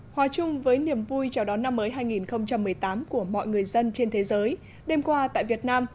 hòa chung với niềm vui chào đón năm mới hai nghìn một mươi tám của mọi người dân trên thế giới đêm qua tại việt nam